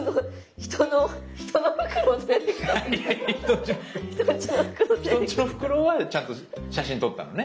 人んちのフクロウはちゃんと写真撮ったのね。